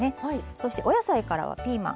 そしてお野菜からはピーマン。